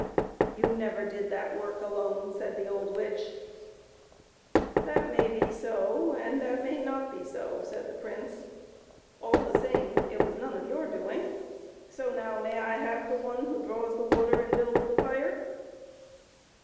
" You never did that work alone," said the old witch. " That may be so, and that may not be so," said the prince ;" all the same, it was none of your doing. So now may I have the one who draws the water and builds the fire?"